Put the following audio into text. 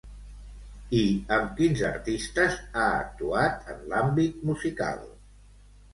I amb quins artistes ha actuat en l'àmbit musical?